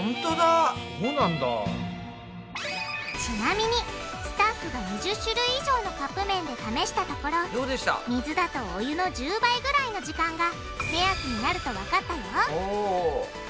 ちなみにスタッフが２０種類以上のカップめんで試したところ水だとお湯の１０倍ぐらいの時間が目安になるとわかったよ